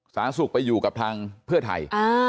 สาธารณสุขไปอยู่กับทางเพื่อไทย